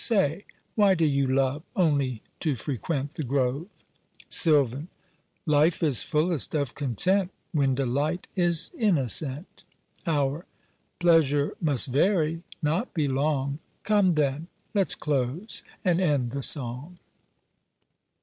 say, why do you love Only to frequent the grove? SILVAN. Life is fullest of content When delight is innocent. HOUR. Pleasure must vary, not be long! Come then, let's close, and end the song!